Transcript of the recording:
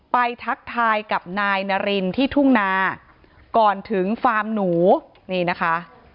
ทักทายกับนายนารินที่ทุ่งนาก่อนถึงฟาร์มหนูนี่นะคะ